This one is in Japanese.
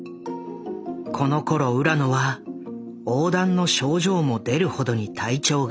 このころ浦野はおうだんの症状も出るほどに体調が悪化。